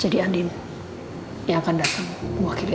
jadi andien yang akan datang mewakili al